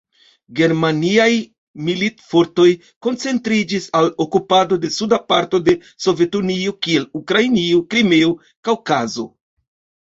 Germaniaj militfortoj koncentriĝis al okupado de suda parto de Sovetunio, kiel Ukrainio, Krimeo, Kaŭkazo.